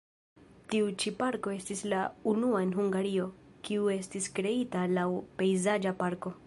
Tiu ĉi parko estis la unua en Hungario, kiu estis kreita laŭ pejzaĝa parko.